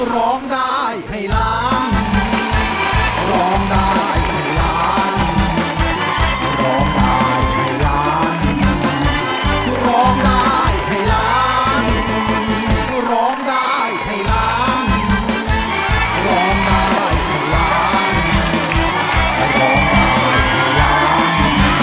ร้องได้ไข่ร้าน